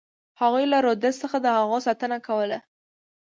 هغوی له رودز څخه د هغو ساتنه کوله.